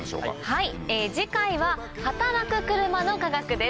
はい次回は働く車の科学です。